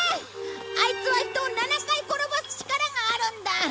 アイツは人を７回転ばす力があるんだ。